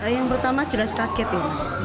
yang pertama jelas